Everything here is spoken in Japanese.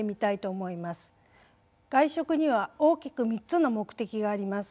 外食には大きく３つの目的があります。